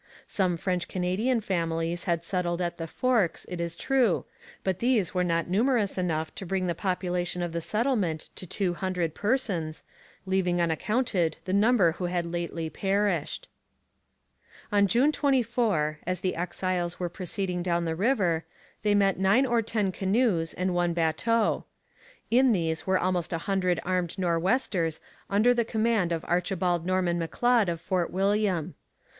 Some French Canadian families had settled at 'the Forks,' it is true, but these were not numerous enough to bring the population of the settlement to two hundred persons, leaving uncounted the number who had lately perished. On June 24, as the exiles were proceeding down the river, they met nine or ten canoes and one bateau. In these were almost a hundred armed Nor'westers under the command of Archibald Norman M'Leod of Fort William.